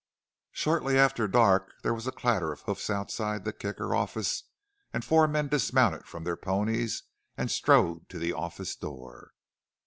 Shortly after dark there was a clatter of hoofs outside the Kicker office and four men dismounted from their ponies and strode to the office door.